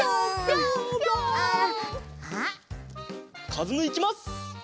かずむいきます！